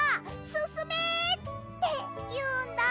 すすめ！」っていうんだ。